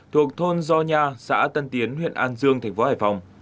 thuộc thôn gio nha xã tân tiến huyện an dương thành phố hải phòng